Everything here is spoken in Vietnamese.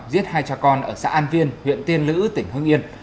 giết hai cha con ở xã an viên huyện tiên lữ tỉnh hương yên